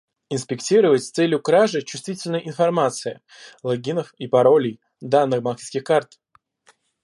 Инспектировать с целью кражи чувствительной информации: логинов и паролей, данных банковских карт